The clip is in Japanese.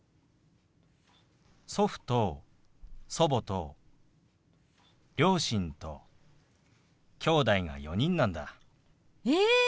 祖父と祖母と両親ときょうだいが４人なんだ。え！